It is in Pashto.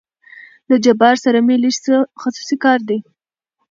له جبار سره مې لېږ څه خصوصي کار دى.